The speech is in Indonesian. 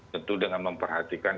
tentu dengan memperhatikan